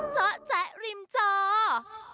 เจาะแจ๊ะริมจอ